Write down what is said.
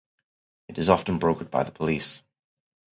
It is often brokered by the police.